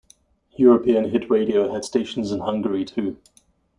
European Hit Radio had stations in Hungary too.